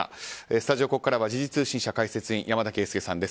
スタジオ、ここからは時事通信社解説委員山田惠資さんです。